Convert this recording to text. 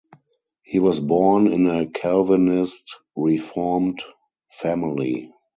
He was born in a Calvinist reformed family.